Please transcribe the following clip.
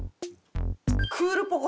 クールポコ。